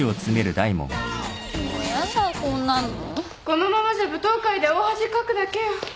このままじゃ舞踏会で大恥かくだけよ。